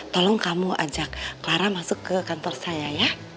tolong kamu ajak clara masuk ke kantor saya ya